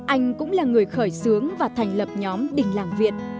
anh cũng là người khởi xướng và thành lập nhóm đình làng việt